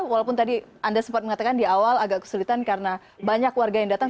walaupun tadi anda sempat mengatakan di awal agak kesulitan karena banyak warga yang datang